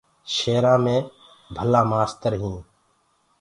شيرآنٚ مي ڀلآ مآستر هينٚ۔